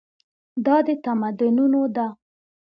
دا د تمدنونو ده.